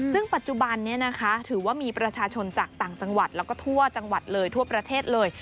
ซึ่งปัจจุบันนี้นะคะถือว่ามีประชาชนจากต่างจังหวัดแล้วก็ทั่วจังหวัดเลยทั่วประเทศเลย